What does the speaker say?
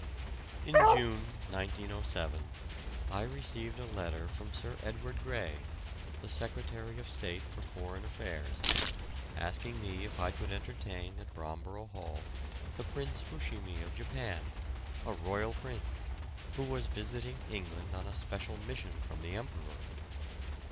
In June, 1907, I received a letter from Sir Edward Grey, the Secretary of State for Foreign Affairs, asking me if I could entertain at Bromborough Hall the Prince Fushimi of Japan, a royal prince, who was visiting England on a special mission from the Emperor.